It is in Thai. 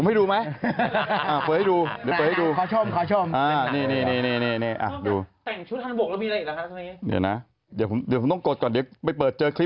มันออกมียาวยังเล่นอยู่อีกหรอ